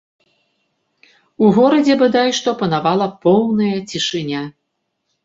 У горадзе бадай што панавала поўная цішыня.